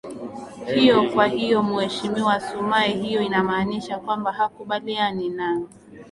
hiyo kwa hiyo mheshimiwa sumae hiyo inamaanisha kwamba hukubaliani na